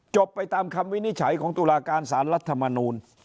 ไปตามคำวินิจฉัยของตุลาการสารรัฐมนูล